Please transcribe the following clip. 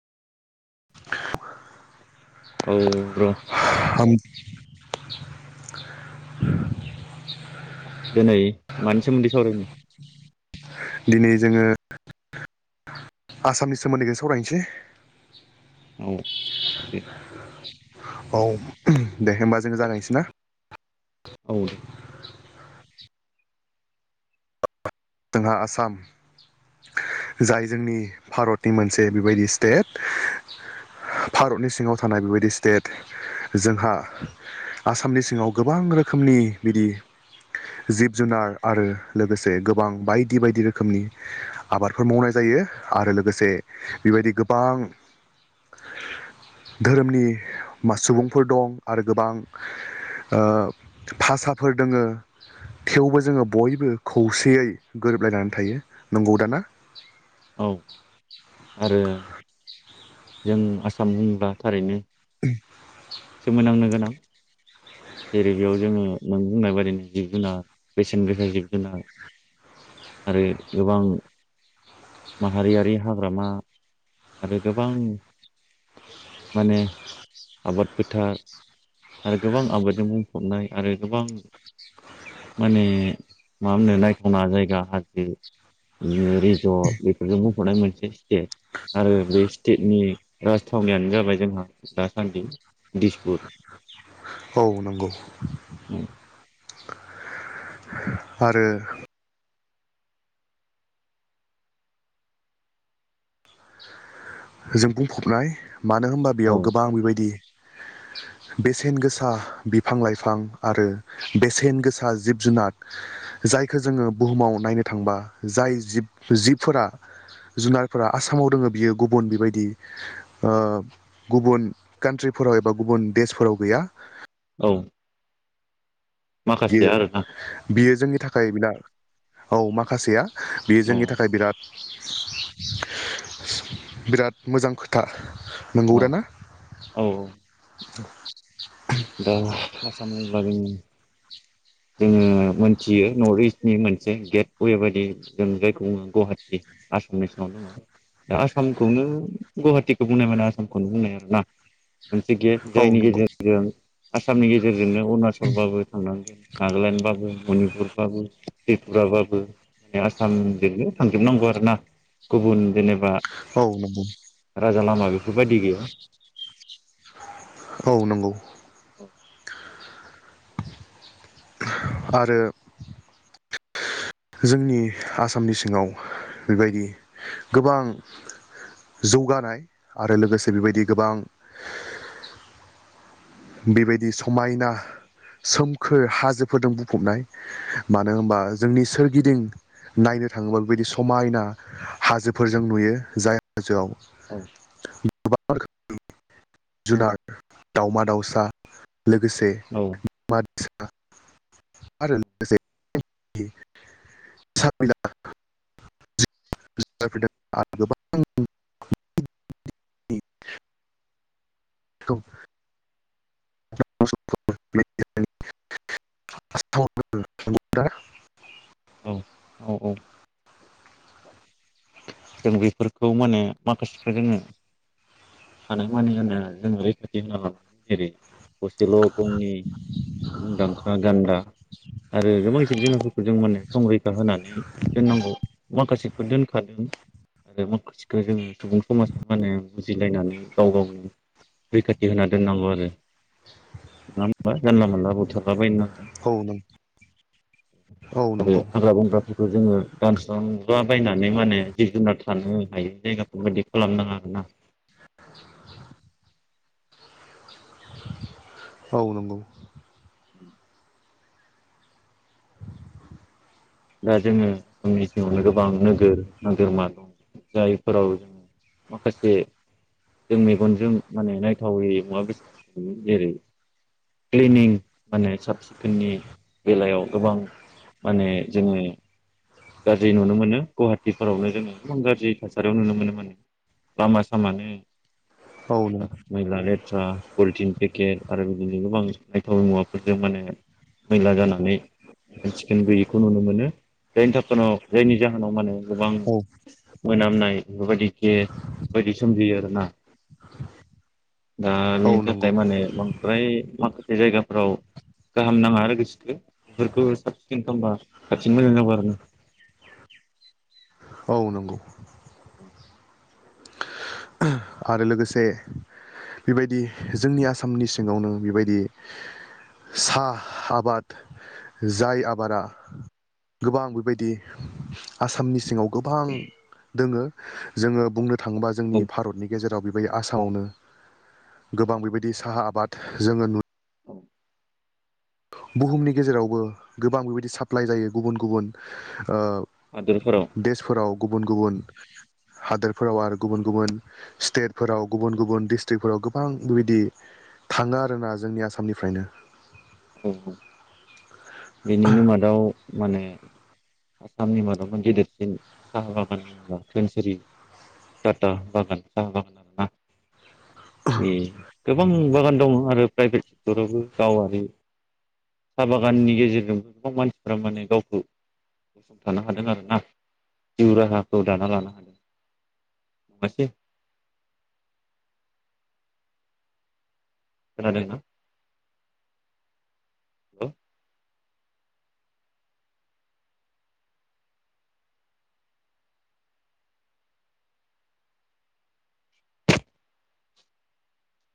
औ। [inaudible] दिनै मानि सोमोन्दै सावरायनो? दिनै जोङो आसामनि सोमोन्दैखौ सावरायनोसै। औ दे। औ दे होमबा जोङो जागायसै ना। औ दे। जोंहा आसाम, जाय जोंनि भारतनि मोनसे बेबायदि स्टेट। भारतनि सिङाव थानाय बेबायदि स्टेट जोंहा आसामनि सिङाव गोबां रोखोमनि बिदि जिब जुनार आरो। लोगोसे गोबां बायदि बायदि रोखोमनि, आबादफोर मावनाय जायो। आरो लोगोसे बेबायदि गोबां धोरोमनि म सुबुंफोर दं, आरो गोबां ओ भाषफोर दोङो थेवबो जोङो बयबो खौसेयै गोरोबलायनानै थायो नंगौ दा ना? औ आरो जों आसाम होनब्ला थारैनो [unintelligible] सोमोनोनांनो गोनां, जेरै बेयाव जोङो नों बुंनाय बायदिनो जिब जुनार बेसेन गोसा जिब जुनार आरो गोबां। माहारियारि हाग्रामा आरो गोबां माने आबाद फोथार आरो गोबां आबादजों बुंफबनाय आरो गोबां माने, मा होनो? नायथावना जायगा हाजो बि रिजर्ट बेफोरजों बुंफबनाय मोनसे स्टेट। आरो बे स्टेटनि राजथावनियानो जाबाय जोंहा दासान्दि दिसपुर औ नंगौ। औ। आरो। जों बुंफबनाय मानो होनबा औ बेयाव गोबां बेबायदि बेसेन गोसा बिफां लाइफां, आरो बेसेन गोसा जिब जुनार जायखौ जोङो बुहुमाव नायनो थांबा जाय जिब जिबफोरा जुनारफोरा आसामाव दोङो बियो गुब गुबुन बेबायदि ओ गुबुन कान्ट्रिफोराव एबा गुबुन देशफोराव गैया। औ। माखासेया बियो आरोना बियो जोंनि था खाय बिना औ माखासेया बेयो औ जोंनि थाखाय बिराद बिराद मोजां खोथा। नंगौ औ दा ना औ औ। [inaudible] दा आसाम बुंब्ला जों जोङो मोनथियो नर्थ इस्टनि मोनसे गेट वे बायदि जों जायखौ बुङो गुवाहाटि आसामनि सिङाव दङ' दा आसामखौनो गुवाहाटिखौ बुंनाय माने आसामखौनो बुंनाय आरोना। मोनसे गेफ्ट औ जायनि नंगौ गेजेरजों आसामनि गेजेर जोंनो ओरैनो अरुणाचलबाबो थांनांगो नागालेण्डबाबो मनिपुरबाबो त्रिपुराबाबो माने आसामजोंनो थांजोबनांगौ आरोना गुबुन जेनेबा औ नंगौ। राजा लामा बेफोरबायदि गैया। औ नंगौ। [inaudible] आरो जोंनि आसामनि सिङाव बेबायदि गोबां जौगानाय आरो लोगोसे बेबायदि गोबां बेबायदि समायना सोमखोर हाजोफोरदो बुंफबनाय मानो होनबा जोंनि सोरगिदिं नायनो थाङोब्ला बेबायदि समायना हाजोफोरजों नुयो जाय हाजोआव औ गोबां रोखोमनि जुनार दावमा दाउस सा लोगोसे औ [unintelligible] [unintelligible] [unintelligible] [unintelligible] औ औ औ जों बेफोरखौ माने माखासेखौ जोङो थानाय माने होनो जोङो रैखाथि होना लानांगौ जेरै थसेल' गंनि मुंदांखा गान्दा आरो गोबां जिब जुनारफोरखौ जों माने संरैखा होनानै दोननांगौ माखासेफोर दोनखादों। आरो माखासेखौ जोङो सुबुं समाजा माने बुजिलायनानै गाव गावनो रैखाथि होना दोननांगौ आरो। नङा होनबा? जानला मोनला बुथारला बायनाङा औ नंगौ औ आरो नंगौ हाग्रा बंग्राफोरखौ जोङो दानस्रांला बायनानै माने जिब जुनार थानो हायै जायगाफोरबायदि खालामनाङा आरोना। औ नंगौ [inaudible] दा जोङो आसामनि सिङावनो गोबां नोगोर नोगोरमा दं। जायफोराव जों माखासे जों मेगनजों माने नायथावै मुवा बेसादफोरखौ जेरै क्लिनिं माने साब सिखोननि बेलायाव गोबां माने जोङो गाज्रि नुनो मोनो गुवाहाटिफोरावनो जोङो गोबां गाज्रि थासारियाव नुनो मोनो माने। लामा सामानो औ नंगौ मैला लेथ्रा पलिटिन पेकेट आरो बिदिनो गोबां नायथाव मुवाफोरजों माने मैला जानानै साखोन सिखोन गैयि खौ नुनो मोनो। जायनि थाखायनाव जायनि जाहोनाव माने गोबां औ मोनामनाय बेफोरबायदि गेस बेफोरबायदि सोमजियो आरोना। दा बेनि औ थाखाय नंगौ माने बांद्राय माखासे जायगाफ्राव गाहाम नाङा आरो गोसोखो बेफोरखो साब सिखोन खामबा साबसिन मोजां जागौ आरो ना। औ नंगौ अ। आरो लोगोसे बेबायदि जोंनि आसामनि सिङावनो बेबायदि सा आबाद। जाय आबादा गोबां बेबायदि आसामनि सिङाव गोबां दोङो जोङो बुंनो थाङोबा जोंनि औ भारतनि गेजेराव बेबायदि आसामावनो गोबां बेबायदि साहा आबाद जोङो नु औ बुहुमनि गेजेरावबो गोबां बेबायदि साप्लाइ जायो गुबुन गुबुन ओ हादोरफोराव देसफोराव गुबुन गुबुन हादोरफोराव आरो गुबुन गुबुन स्टेटफोराव गुबुन गुबुन डिस्ट्रिक्टफोराव गोबां बेबायदि थाङो आरोना जोंनि आसामनिफ्रायनो। औ औ। बेनिनो मादाव माने आसामनि मादाव गेदेरसिन साहा बागान होनोब्ला थोनसिरि दाथा बागान सा बागान आरोना बे गोबां बागान दङ आरो प्राइभेट सेक्टरावबो गावारि साहा बागाननि गेजे गेजेरजों गोबां मानसिफ माने गावखौ गसंथानो हादों आरोोना जिउ राहाखौ दाना लानो हादों नङासै खोनादोंना हेलौ